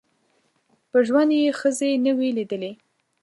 په ژوند یې ښځي نه وې لیدلي